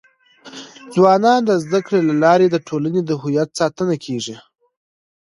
ځوانان د زده کړي له لارې د ټولنې د هویت ساتنه کيږي.